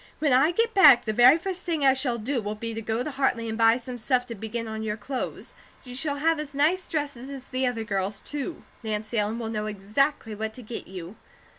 When I get back, the very first thing I shall do will be to go to Hartley and buy some stuff to begin on your clothes. You shall have as nice dresses as the other girls, too. Nancy Ellen will know exactly what to get you."